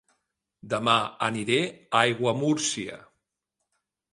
Dema aniré a Aiguamúrcia